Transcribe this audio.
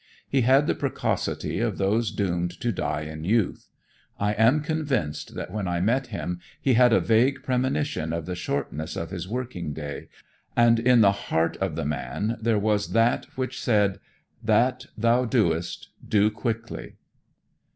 He had the precocity of those doomed to die in youth. I am convinced that when I met him he had a vague premonition of the shortness of his working day, and in the heart of the man there was that which said, "That thou doest, do quickly."